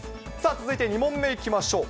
続いて２問目いきましょう。